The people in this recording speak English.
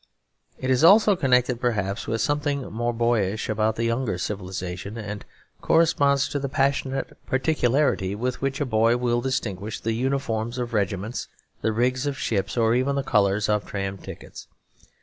It is also connected perhaps with something more boyish about the younger civilisation; and corresponds to the passionate particularity with which a boy will distinguish the uniforms of regiments, the rigs of ships, or even the colours of tram tickets.